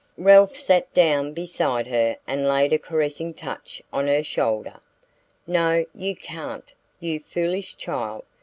Ralph sat down beside her and laid a caressing touch on her shoulder. "No, you can't, you foolish child.